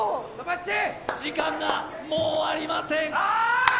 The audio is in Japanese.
時間がもうありません！